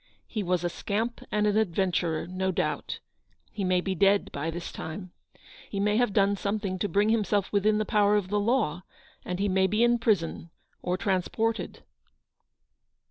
He was a scamp and an adven turer, no doubt; he may be dead by this time. He may have done something to bring himself 230 Eleanor's victory. within the power of the law, and he may be in prison, or transported."